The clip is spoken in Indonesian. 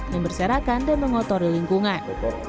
yang berserakan dan mengotori lingkungan